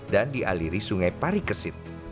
dan dialiri sungai parikesit